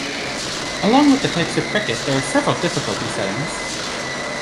Along with the types of cricket there are several difficulty settings.